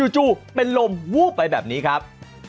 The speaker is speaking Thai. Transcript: จู่เป็นลมวูบไปแบบนี้ครับ